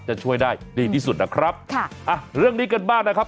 จะช่วยได้ดีที่สุดนะครับค่ะอ่ะเรื่องนี้กันบ้างนะครับ